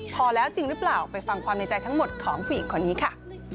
พอแล้วจริงหรือเปล่าไปฟังความในใจทั้งหมดของผู้หญิงคนนี้ค่ะ